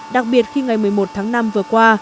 đặc biệt khi ngày một mươi một tháng năm vừa qua